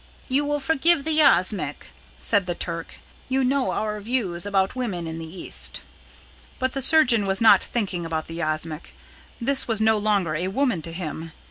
"You will forgive the yashmak," said the Turk. "You know our views about women in the East." But the surgeon was not thinking about the yashmak. This was no longer a woman to him.